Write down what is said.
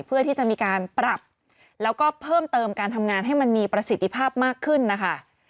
เพื่อที่จะมีการปรับแล้วก็เพิ่มเติมการทำงานให้มันมีประสิทธิภาพมากขึ้นนะคะ